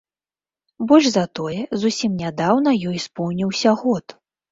Больш за тое, зусім нядаўна ёй споўніўся год.